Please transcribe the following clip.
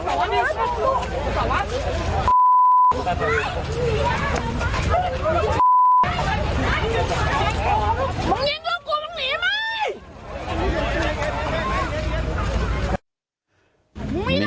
ริ่งว่ากูมันหนีมั้ย